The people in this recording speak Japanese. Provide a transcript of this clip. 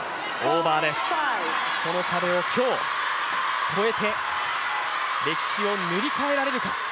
その壁を今日超えて、歴史を塗り替えられるか。